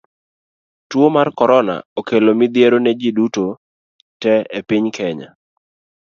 Tuo mar korona okelo midhiero ne ji duto te e piny Kenya.